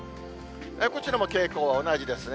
こちらも傾向、同じですね。